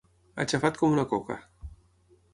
Aixafat com una coca.